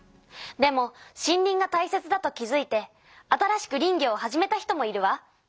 でも森林がたいせつだと気づいて新しく林業を始めた人もいるわ。